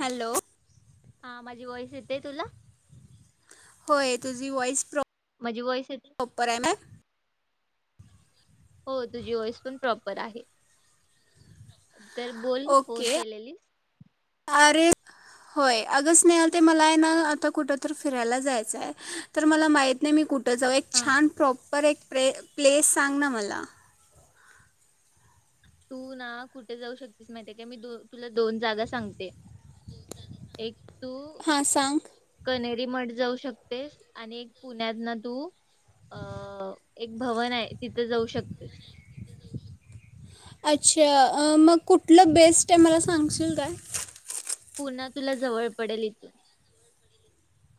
Hello हा माझी voice येतय तुला होय तुझी वोइस प्रो माझी वॉईस येते. हो तुझी वोईस पण प्रॉपर आहे. तर बोल फोन ओके केलेलीस. अरे होय आग स्नेहल ते मलाय ना आता कुठेतर फिरायला जायचाय तर मला माहित नाय मी कुट त जव एक हा छान प्रॉप पर एक प्रे प्लेस सांग ना मला तू ना कुठे जाऊ शकतेस माहितीये का मी दो तुला दोन जागा सांगते एक तू हां सांग कणे मठ जाऊ शकतेस आणि एक पुण्यात ना तू अ एक भवन आहे तिथं जाऊ शकतेस अच्छा अ मग कुठलं बेस्ट आहे मला सांगशील काय? पुणा तुला जवळ पडेल इथून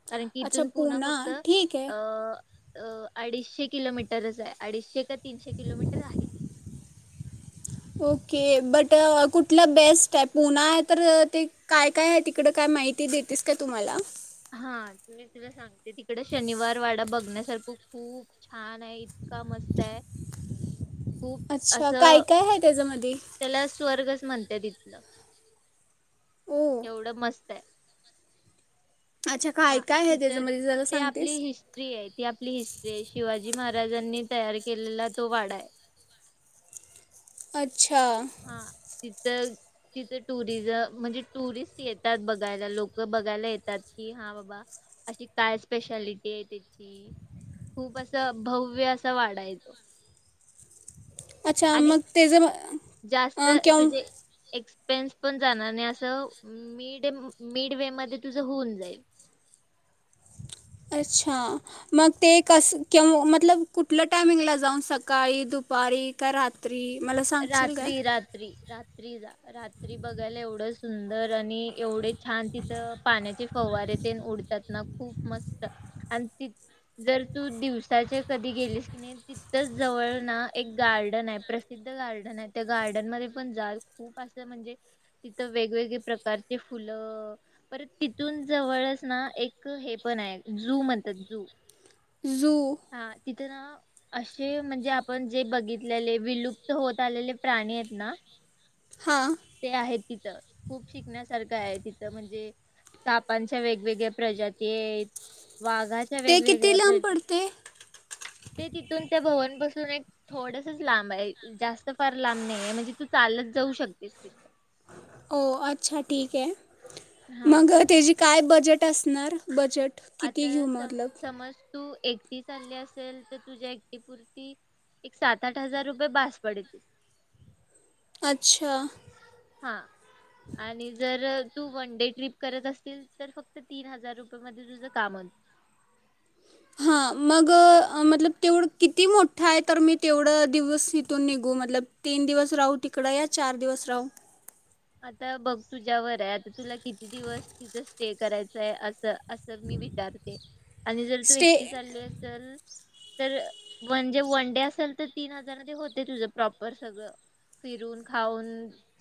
कारण की अच्छा इथून पुणा फक्त ठीक आहे अअ अ अडीचशे किलोमीटरच आहे अडीचशे का तीनशे किलोमीटर आहे ओके बट कुठलं बेस्ट आहे पुणा आहे तर ते काय काय आहे तिकडं काय माहिती देतेस का तु मला हा मी तुला सांग तिकडे शनिवार वाडा बघ बघणायासारखं खूप छान आहे इतका मस्त आहे. खूप अच्छा काय असं काय आहे त्याच्यामध्ये त्या तितलं ओ एवढं मस् ते अच्छा हा काय काय आहे तिथ त्याच्यामध्ये जरा ते आपली सांगतेस हिस्ट्री ये ती आपली हिस्ट्री ये शिवाजी महा महाराजांनी तयार केलेला तो वाडा आहे अ अच्छा तर तिथं टुरिजम म्हणजे टुरिस्ट येतात. बघायला लोक बघायला येतात. की, हा बाबा अशी काय स्पेशालिटी आहे त्याची खूप असं भव्य असा वाडा आहे. तो अच्छा आणि मग ते जर जास्त तुझे एक्सपेन्स पण जाणार आणि असं मिड मिड वे मध्ये तुझं होऊन जाईल. अच्छा मग ते कस मतलब कुठलं टायमिंगला जाऊन सकाळी दुपारी का रात्री मला सांगशील काय रात्री रात्री रात रात्री जा रात्री बघायला एवढं सुंदर आणि एवढे छान तिथं पाण्याचे फवारे तेनं उडतात ना खूप मस्त आणि तित जर तू दिवसाचे कधी गेलीस की नाही तिथच जवळ ना एक गार्डन आहे. प्र सिद्ध गार्डन आहे त्या गार्डन मध्ये पण जाल खूप असं म्हणजे तिथं वेगवेगळे प्रकारचे फुलं परत तिथून जवळच ना एक हे पण आहे जू म्हणतात जू झु असे म्हणजे आपण जे बघितलेले विलुप्त होत आलेले प्राणी येत ना हां ते आहेत तिथं खूप शिकण्यास तर आहे तिथ म्हणजे सापानच्या वेगवेगळ्या प्रजाती आहेत वाघाच्या ते किती वेगवेगळ्या लांब प्रजा पडते ते तिथून त्या भवन पासून एक थोडसच लांब आहे. जास्त फार लांब नाही आहे म्हणजे तू चालच जाऊ शकतेस ति ओ अच्छा ठीकये. हा मंग तेजी काय बजेट असणार बजेट? किती आता घेऊ सम मतलब समज तू एकटी चालली असेल तर तुझ्या एकटी पुरती एक सात आठ हजार रुपये भास पडतील. अच्छा हां आणि जर तू वन डे ट्रिप करत असशील तर फक्त तीन हजार रुपये मध्ये तुझ काम होईल. हां मग मतलब तेवढ किती मोठा आहे तर मी तेवढ दिवस इथून निघू मतलब तीन दिवस राहू तिकड या चार दिवस राहू आता बघ तुझ्यावर आहे आता तुला किती दिवस तिथच? स्टे करायचय अस. असं मी विचारते आणि जर तू स्टे एकटी चालली असल. तर म्हणजे वन डे असेल तर तीन हजारमध्ये होतय तुझं प्रॉपर सगळं फिरून खाऊन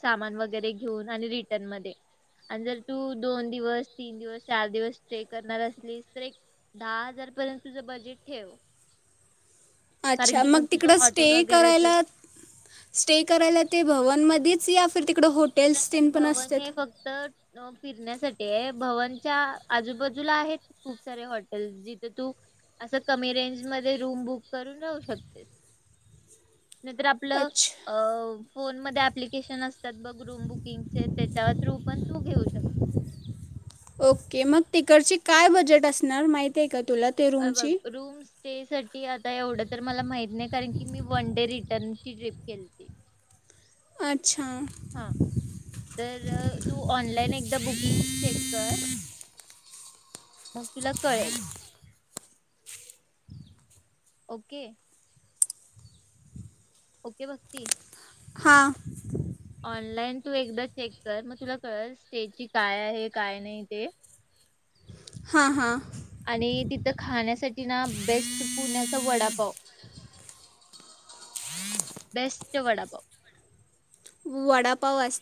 सामान वगैरे तर हे घेऊन आली रिटर्न मध्ये जर तू दोन दिवस तीन दिवस चार दिवस स्टे करणार असलीस तर एक दहा हजार पर्यंत तुझ बजेट ठेव. कारण अच्छा की मग तिकड तिथं स्टे हॉटेल वगैरेच करायला स्टे करायला ते भवन मधीच या फिरतीक नाही भवन हे फक्त अ फिरण्यासाठीय भवनच्या आजूबाजूला आहेत खूप सारे हॉटेल्स जिथे तू अस कमी रेंज मध्ये रूम बुक करून राहू शकतेस. नाहीतर आपल अच्छा अ फोन मध्ये ॲप्लिकेशन असतात बघ रूम बुकिंगचे त्याच्या थ्रू पण तू घेऊ शकते ओके मग तिकडची काय बजेट असणार माहिती आहे का? तुला ते अ बघ रूमची रूम स्टे साठी आता एवढं तर मला माहीत नाही कारण की मी वन डे रिटर्न ची ट्रिप केलती अच्छां हां तर तू ऑनलाइन एकदा बुकिंग्स चेक कर. मग तुला कळेल ओके. ओके भक्ती हां ऑनलाईन तू एकदा चेक कर मग तुला कळल स्टेची काय आहे काय नाही ते हां हां आणि तिथं खाण्यासाठी ना बेस्ट पुन्याचा वडापाव बेस्ट वडापाव वडापाव अस.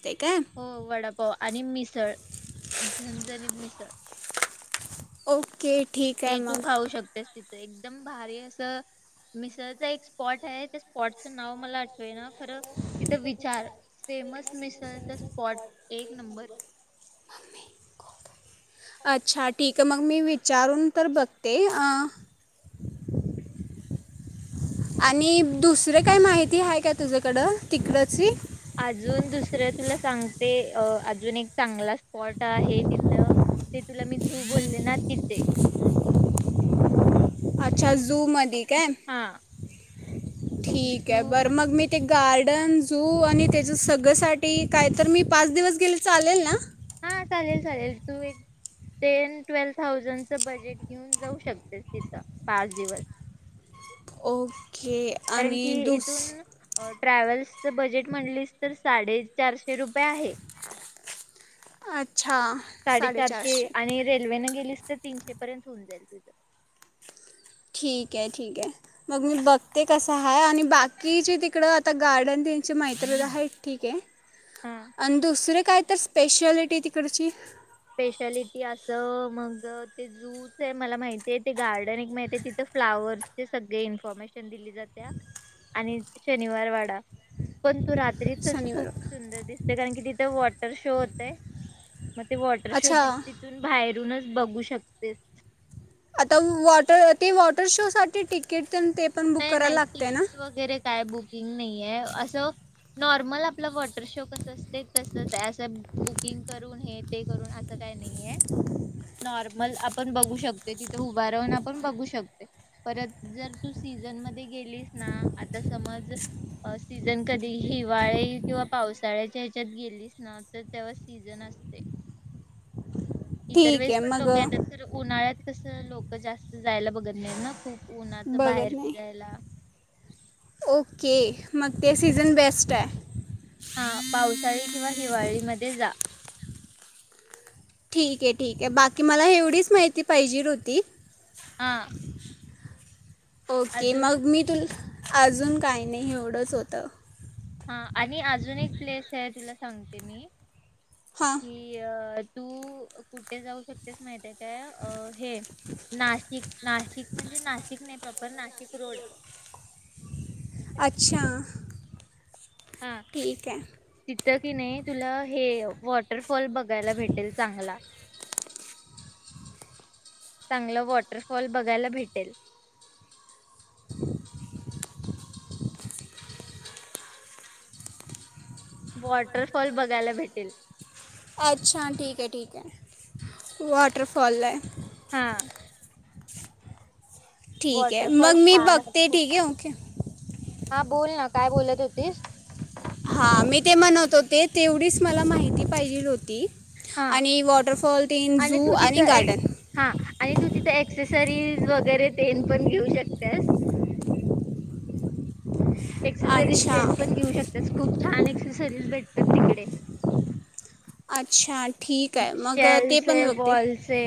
हो वडापोहा आणि मिसळ झनझणीत मिसळ के ठीक हाय हे तू मग खाऊ शकतेस तिथं एकदम भारी अस मिसळचा एक स्पॉट आहे त्या स्पॉटच नाव मला आठवे ना खरं तिथं विचार फेमस मिसळचा स्पॉट एक नंबर अच्छा ठीक आहे मग मी विचारून तर बघते अं आणि दुसरे काय माहिती आहे का तुझ्याकड तिकडची तर तुला सांगते अजून एक चांगला स्पॉट आहे तिथ ते तुला मी झू बोलले ना तिथे अच्छा जू झू मधी काय? हा [inaudible] ठीकये जू बरं मध्ये मग तू मी ते गार्ड झू, आणि त्याच्या सगळंसाठी काय तर मी पाच दिवस गेले चालेल ना. हा चालेल चालेल, तू एक टेन ट्वेल थाउजंडच बजेट घेऊन जाऊ शकतेस तिथं पाच दिवस ओ! हे आणि दुस ट्रॅव्हल्सच, बजेट म्हटलीस तर साडेचारशे रुपये आहे. अच्छा साडेचारशे, आणि रेल्वे न गेली तर तीनशे, पर्यंत होऊन जाईल तुझ. ठीके ये ठीके, ये मग मी बघते कसं आहे, आणि बाकीची तिकड आता गार्डन त्यांची मैत्रीण आहेत ठीके ये हा अन दुसरे काय तस स्पेशालिटी तिकडची. स्पेशालिटी अस, मग ते जू च मला माहती आहे, ते गार्डन एक माहित, तिथं फ्लावर्सचे सगळे इन्फॉर्मेशन दिली जात्या, आणि शनिवार वाडा पण तू रात्रीचच शनिवार खूप सुंदर दिसते कारण की तिथे वॉटर शो होतय म वॉटर शो ती अच्छा तिथून बाहेर बाहेरूनच बघू शकतेस आता वॉटर, ते वॉटर शो साठी तिकीट चल ते पण बुक नाही करायला नाही लागतय ना? तिकीट वगैरे काय बुकिंग, नाहीये असं नॉर्मल आपला वॉटर शो कस असते तसच, अस बुकिंग करून हे ते करून असं काय नाहीये नॉर्मल आपण बघू शकते तिथे उभा राहून आपण बघू शकते, परत जर तु सीझन मध्ये गेलीस ना, आता समज सीझन कधी हिवाळी किंवा पावसाळ्याच्या ह्याच्यात गेलीस ना तर तेव्हा सीझन असतय इतर ठीक वेळेस, आहे पण मग लोक येतात तर उन्हाळ्यात कस लोक जास्त जायला बघत नाही ना खूप. उन्हाचं बघत बाहेर नाही फिरायला ओके! म ते सीझन बेस्ट आहे. हा पावसाळी, किंवा हिवाळी मध्ये जा. ठीके ठीके, बाकी मला एवढीच माहिती पाहिजेल होती. हा! ओके अजून मग मी तुल अजून काही नाही एवढंच होतं. हा आणि अजून एक, प्लेस ये तुला सांगते मी. हां की अ! तू कुठे, जाऊ शकतेस माहितेय अ हे नाशिक, नाशिक म्हणजे नाशिक नई प्रॉपर नाशिक रोड. अच्छा. हा ठीक आहे तिथं की नाही तुला हे वॉटर फाॅल बघायला भेटेल चांगला. चांगलं वॉटरफॉल बघायला भेटेल. [inaudible] वॉटरफॉल बघायला भेटेल. अच्छा ठीक हाय, ठीक हाय. वॉटरफॉलला हाय. हा [inaudible] ठिक हाय. वॉटरफॉल मग मी छान आहे बघते खूप ठिक हाय, ओके. हा बोल ना, काय बोलत होतीस? हा, मी ते म्हणत होते तेवढीच मला माहिती पाहिजे हो हा आणि वॉटरफॉल, तीन झू तू आणि तिथं एक गार्डन. हा आणि तू तिथं एक्सेसरीज वगैरे ते पण घेऊ शकतेस. एक्सेसरीज अच्छा तेन पण घेऊ शक तेच खूप छान एक्सेसरीज भेटतात तिकडे अच्छा ठीकय मग ते पण शेलचे बघते वॉलचे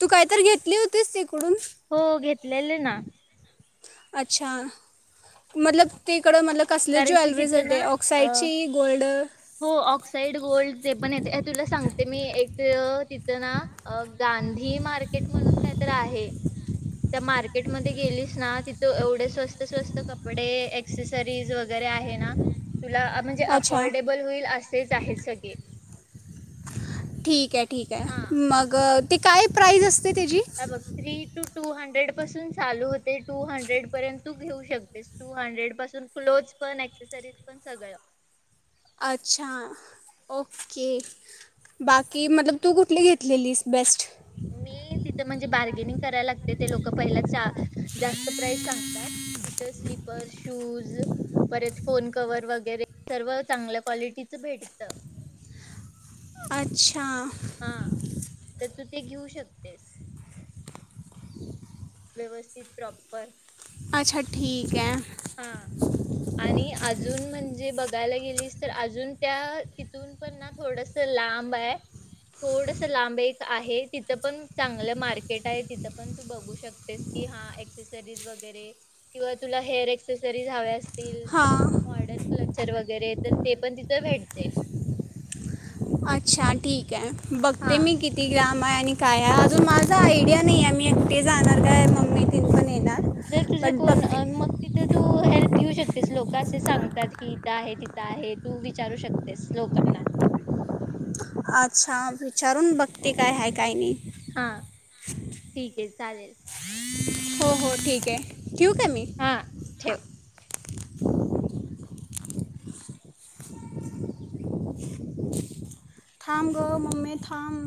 तू काय तर घेतली होतीस तिकडूनट? हो घेतलेले ना अच्छा मतलब ते कारण की तिथं ना आ ऑक्साईडची गोल्ड हो ऑक्साइड गोल्ड ते पण येते. तुला सांगते मी एक ते तिथं ना अ गांधी मार्केट म्हणून काय तर आहे त्या मार्केटमध्ये गेलीस ना, तिथ एवढे स्वस्त, स्वस्त कपडे एक्सेसरी रीज वगैरे आहे ना? तुला म्हणजे अच्छा अफोर्डेबल होईल असेच आहेत सगळे. ठीक हाय. ठीक हाय, मग ती काय प्राईज अस हे बघ थ्री टू टू हंड्रेड पासून चालू होते, टू हंड्रेड पर्यंत तू घेऊ शकतेस. टू हंड्रेड पासून क्लोथ पण एक्सेसरीज पण सगळं. अच्छा, ओके बाकी मतलब तू कुठली घेतलेलीस बेस्ट? मी तिथं म्हणजे बार्गेनिंग करायला लागते ते लोक पहिला चा जास्त प्राइस सांगतात. तिथ स्लीपर, शूज परत फोन कव्हर वगैरे सर्व चांगल्या क्वालिटीच भेटत. अच्छा हा. तर तू ते घेऊ शकतेस. व्यवस्थित प्रॉपर अच्छा ठीके ए. हा आणि अजून म्हणजे बघायला गेलीस तर अजून त्या तिथून पण ना थोडस लांब हाय थोडस लांब एक आहे तिथ पण चांगलं मार्केट आहे तिथ पण तू बघू शकतेस की हा एक्सेसरीज वगैरे किंवा तुला हेअर एक्ससरिज हव्या तील हां मॉडन क्लचर वगैरे तर ते पण तिथ भेटते अच्छा ठीक बघते हा मी किती ग्राम आहे आणि काय आहे अजून माझा आयडिया नायये मी ते जाणार काय? मम्मी तीन पण येणार जर तुझ बट कोण बघते मग तिथ तू हेल्प घेऊ शक तेच लोक असे सांगतात की इथ आहे तिथ आहे तू विचारू शकतेस लोकांना अच्छा विचारून बघते काय हाय काय नायी हा ठीकये चालेल हो हो ठीकये. ठेऊ काय मी हा ठेव. हा हा रिकामा ऑडिओ [inaudible] थांब ग मम्मे. थांब